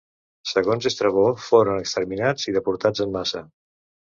Segons Estrabó, foren exterminats i deportats en massa.